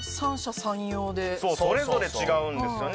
そうそれぞれ違うんですよね。